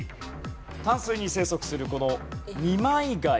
淡水に生息するこの二枚貝。